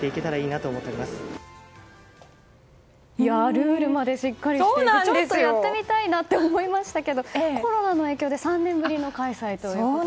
ルールまでしっかりしていてちょっとやってみたいなと思いましたけどコロナの影響で３年ぶりの開催ということで。